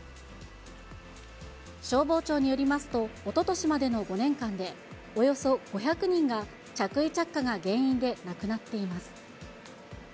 消防庁によりますと、おととしまでの５年間で、およそ５００人が、着衣着火が原因で亡くなっています。